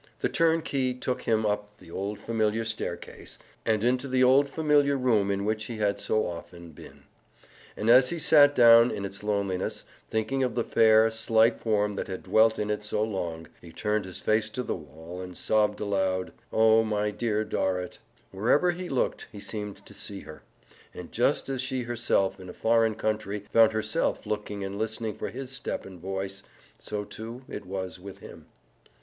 The turnkey took him up the old familiar staircase and into the old familiar room in which he had so often been. And as he sat down in its loneliness, thinking of the fair, slight form that had dwelt in it so long, he turned his face to the wall and sobbed aloud, "Oh, my Little Dorrit!" Wherever he looked he seemed to see her, and just as she herself in a foreign country found herself looking and listening for his step and voice, so, too, it was with him.